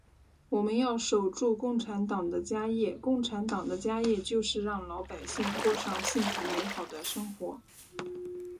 我们要守住共产党的家业，共产党的家业就是让老百姓过上幸福美好的生活。